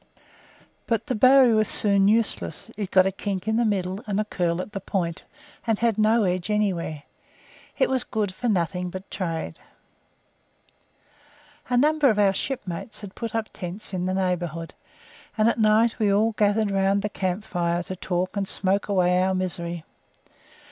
But the bowie was soon useless; it got a kink in the middle, and a curl at the point, and had no edge anywhere. It was good for nothing but trade. A number of our shipmates had put up tents in the neighbourhood, and at night we all gathered round the camp fire to talk and smoke away our misery.